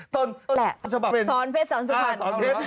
สอนเพชรสอนสุภัณฑ์